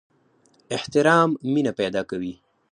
احترام مینه پیدا کوي